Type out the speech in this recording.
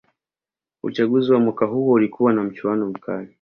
uchaguzi wa mwaka huo ulikuwa na mchuano mkali